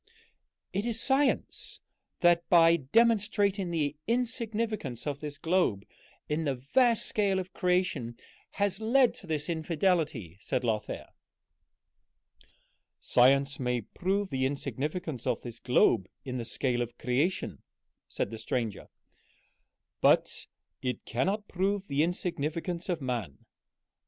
"It is science that, by demonstrating the insignificance of this globe in the vast scale of creation, has led to this infidelity," said Lothair. "Science may prove the insignificance of this globe in the scale of creation," said the stranger, "but it cannot prove the insignificance of man.